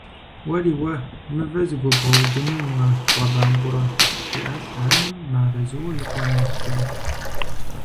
- Уэри уэ, мывэ зэгуэбгъэудыным уэ бгъэбампӏэурэ! – жиӏащ анэм мыарэзыуэ и къуэм еплъри.